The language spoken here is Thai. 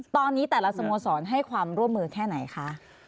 ตอนนี้แต่ละสโมสรให้ความร่วมมือแค่ไหนคะ